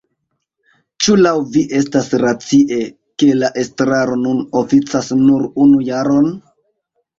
Ĉu laŭ vi estas racie, ke la estraro nun oficas nur unu jaron?